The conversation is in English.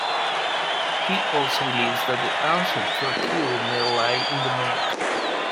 He also believes that the answer to a cure may lie in the Menk.